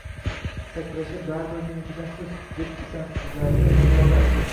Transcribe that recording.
– Sakrashi baribir menikidan sust, – deb pisandsizlandi qurbaqa